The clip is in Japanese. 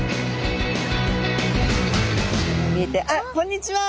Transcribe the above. あっこんにちは！